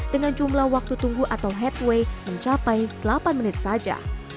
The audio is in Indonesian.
dengan jumlah waktu tunggu atau headway mencapai delapan menit saja